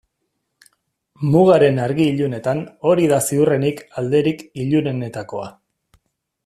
Mugaren argi-ilunetan hori da ziurrenik alderik ilunenetakoa.